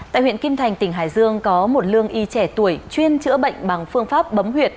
tại huyện kim thành tỉnh hải dương có một lương y trẻ tuổi chuyên chữa bệnh bằng phương pháp bấm huyệt